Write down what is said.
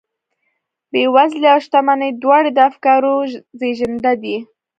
بېوزلي او شتمني دواړې د افکارو زېږنده دي